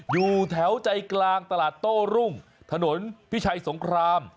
อยู่แถวใจกลางตลาดโต้รุ่งถนนพิชัยสงคราม